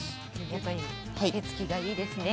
やっぱり手つきがいいですね。